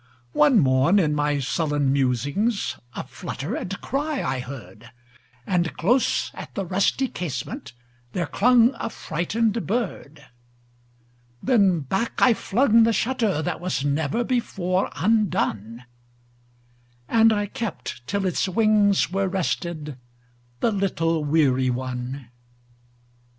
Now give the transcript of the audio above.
One morn, in my sullen musings,A flutter and cry I heard; And close at the rusty casementThere clung a frightened bird. Then back I flung the shutterThat was never before undone, And I kept till its wings were restedThe little weary one.